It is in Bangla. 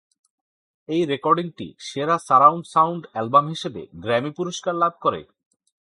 এই রেকর্ডিংটি সেরা সারাউন্ড সাউন্ড অ্যালবাম হিসেবে গ্র্যামি পুরস্কার লাভ করে।